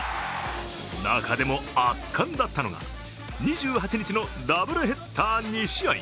中でも圧巻だったのが２８日のダブルヘッダー２試合。